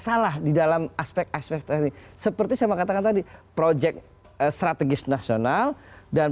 salah di dalam aspek aspek teknis seperti saya mengatakan tadi proyek strategis nasional dan